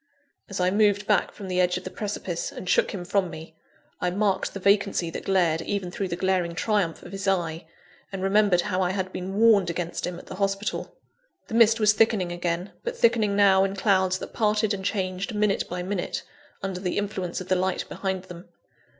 As I moved back from the edge of the precipice, and shook him from me, I marked the vacancy that glared even through the glaring triumph of his eye, and remembered how I had been warned against him at the hospital. The mist was thickening again, but thickening now in clouds that parted and changed minute by minute, under the influence of the light behind them.